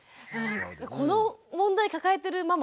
この問題抱えてるママ